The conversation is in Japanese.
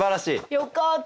よかった。